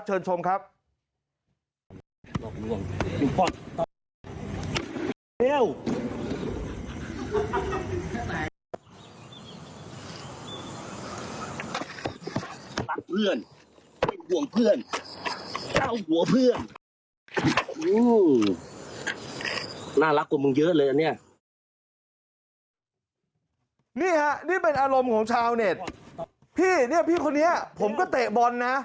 เชิญชมครับ